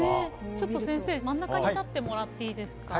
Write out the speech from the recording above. ちょっと先生真ん中に立ってもらっていいですか。